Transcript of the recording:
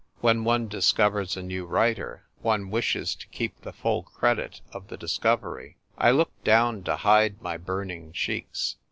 When one discovers a new writer, one wishes to keep the full credit of the dis covery." I looked down to hide my burning cheeks.